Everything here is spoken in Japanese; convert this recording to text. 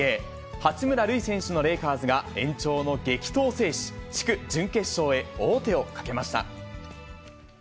八村塁選手のレイカーズが延長の激闘を制し、地区準決勝へ王手をかけました。